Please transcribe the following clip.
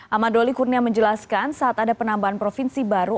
ahmad doli kurnia menjelaskan saat ada penambahan provinsi baru